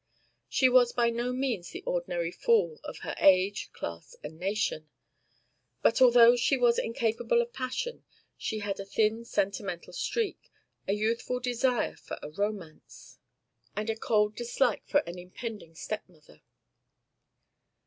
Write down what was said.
She was by no means the ordinary fool of her age class and nation. But although she was incapable of passion, she had a thin sentimental streak, a youthful desire for a romance, and a cold dislike for an impending stepmother.